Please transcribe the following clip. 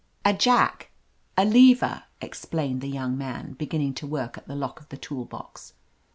"A jack — a, lever," explained the young man, beginning to work at the lock of the tool box.